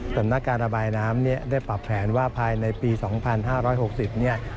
ฝนการระบายน้ำได้ปรับแผนว่าภายในปี๒๕๖๐นี่